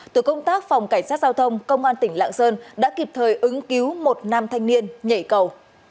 tổ công tác phòng cảnh sát giao thông công an tỉnh lạng sơn đã kịp thời ứng cứu một nam thanh niên nhảy cầu